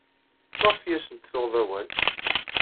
Maɣef ay asent-tuɣed awal?